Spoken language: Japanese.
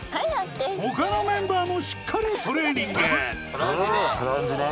他のメンバーもしっかりトレーニングランジね。